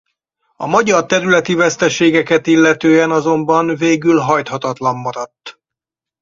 A magyar területi veszteségeket illetően azonban végül hajthatatlan maradt.